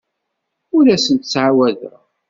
Ur asent-ttɛawadeɣ.